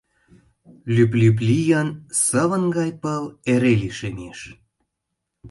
Лӱп-лӱп лийын, сывын гай пыл эре лишемеш.